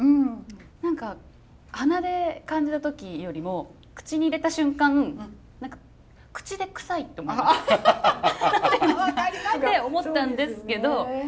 何か鼻で感じた時よりも口に入れた瞬間分かります。って思ったんですけど。